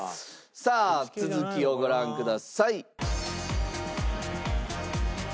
さあ続きをご覧ください。